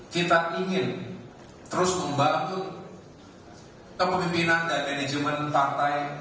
kita ingin terus membangun kepemimpinan dan manajemen partai